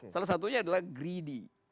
salah satunya adalah greedy